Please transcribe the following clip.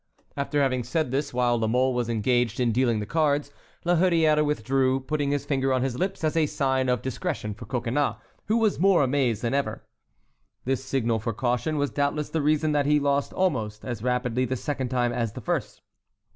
After having said this while La Mole was engaged in dealing the cards, La Hurière withdrew, putting his finger on his lips as a sign of discretion for Coconnas, who was more amazed than ever. This signal for caution was doubtless the reason that he lost almost as rapidly the second time as the first.